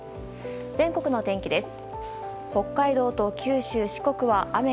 全国の天気です。